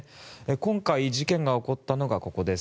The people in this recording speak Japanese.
今回、事件が起こったのがここです。